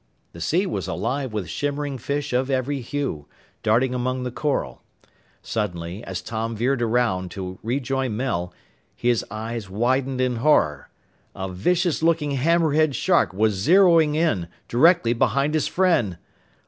The sea was alive with shimmering fish of every hue, darting among the coral. Suddenly, as Tom veered around to rejoin Mel, his eyes widened in horror. A vicious looking hammerhead shark was zeroing in, directly behind his friend!